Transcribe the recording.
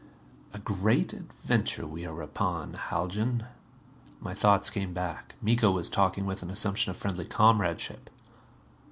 "A great adventure we are upon, Haljan." My thoughts came back. Miko was talking with an assumption of friendly comradeship.